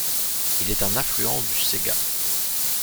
Il est un affluent du Cega.